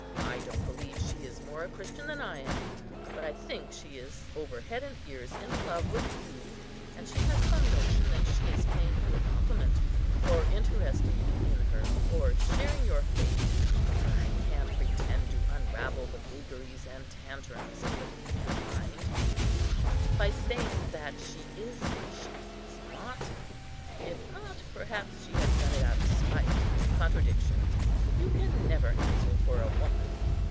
I don't believe she is more a Christian than I am; but I think she is over head and ears in love with you, and she has some notion that she is paying you a compliment, or interesting you in her, or sharing your fate—(I can't pretend to unravel the vagaries and tantarums of the female mind)—by saying that she is what she is not. If not, perhaps she has done it out of spite and contradiction. You can never answer for a woman."